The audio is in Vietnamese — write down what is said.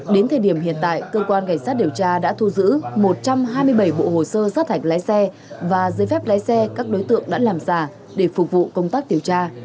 đến thời điểm hiện tại cơ quan cảnh sát điều tra đã thu giữ một trăm hai mươi bảy bộ hồ sơ sát hạch lái xe và giấy phép lái xe các đối tượng đã làm giả để phục vụ công tác điều tra